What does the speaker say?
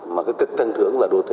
mà cái cực thân thưởng là đô thị